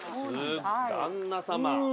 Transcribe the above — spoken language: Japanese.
旦那様。